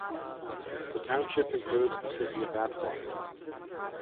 The township includes the city of Atwater.